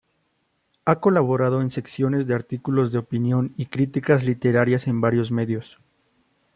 Ha colaborado en secciones de artículos de opinión y críticas literarias en varios medios.